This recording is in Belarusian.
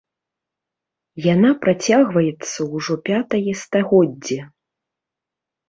Яна працягваецца ўжо пятае стагоддзе.